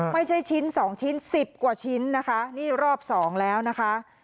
ไม่ใช่ชิ้นสองชิ้นสิบกว่าชิ้นนะคะนี่รอบสองแล้วนะคะ